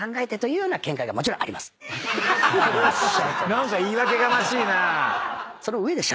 何か言い訳がましいな。